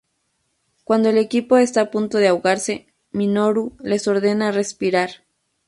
Cuando el equipo está a punto de ahogarse, Minoru les ordena respirar.